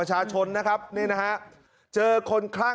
สวัสดีครับทุกคน